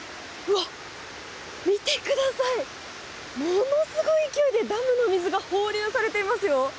見てください、ものすごい勢いでダムの水が放流されていますよ。